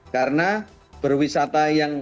karena berwisata yang